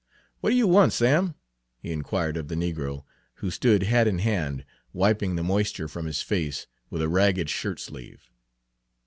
"What do you want, Sam?" he inquired of the negro, who stood hat in hand, wiping the moisture from his face with a ragged shirt sleeve.